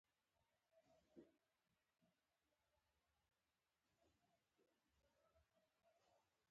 د روحاني مشر انتوني نخښه په یوه کوچني اوسپنیز بکس کې پرته وه.